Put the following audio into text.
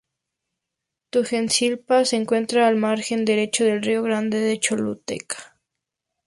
Tegucigalpa se encuentra al margen derecho del río Grande o Choluteca.